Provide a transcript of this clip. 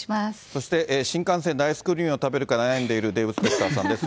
そして新幹線でアイスクリームを食べるか悩んでいるデーブ・スペクターさんです。